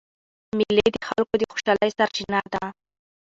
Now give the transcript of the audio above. مېلې د خلکو د خوشحالۍ سرچینه ده.